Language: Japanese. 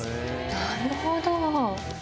なるほど。